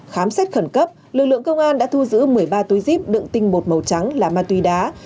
khám xét khẩn cấp lực lượng công an đã thu giữ một mươi ba túi zip đựng tinh bột màu trắng là ma túy đá